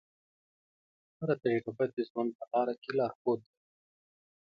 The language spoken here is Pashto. هره تجربه د ژوند په لاره کې لارښود ده.